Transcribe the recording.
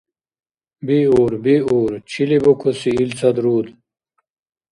Биур, биур! Чили букуси илцад руд?